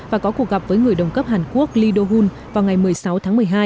và có cuộc gặp với người đồng cấp hàn quốc lee do hun vào ngày một mươi sáu tháng một mươi hai